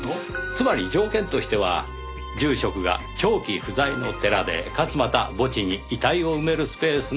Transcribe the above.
つまり条件としては住職が長期不在の寺でかつまた墓地に遺体を埋めるスペースのある事。